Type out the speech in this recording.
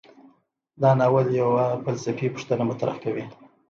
دا ناول یوه فلسفي پوښتنه مطرح کوي.